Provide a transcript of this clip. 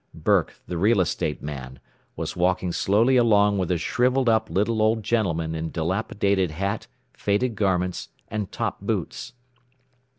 Burke, the real estate man, was walking slowly along with a shrivelled up little old gentleman in dilapidated hat, faded garments, and top boots.